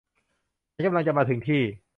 ฉันกำลังจะมาถึงที่